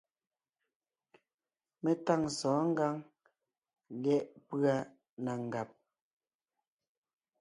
Mé tâŋ sɔ̌ɔn ngǎŋ lyɛ̌ʼ pʉ́a na ngàb;